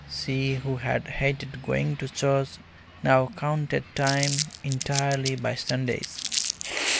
She who had hated going to church now counted time entirely by Sundays.